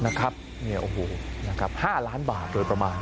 นะครับเนี่ยโอ้โหนะครับ๕ล้านบาทเลยประมาณ